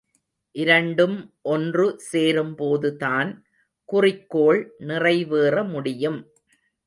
இரண்டும் ஒன்று சேரும்போதுதான் குறிக்கோள் நிறைவேற முடியும்.